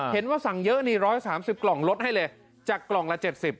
เห็นว่าสั่งเยอะนี่ร้อยสามสิบกล่องลดให้เลยจากกล่องละเจ็ดสิบ